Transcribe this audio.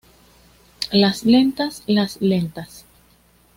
las lentas. las lentas.